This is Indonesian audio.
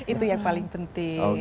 itu yang paling penting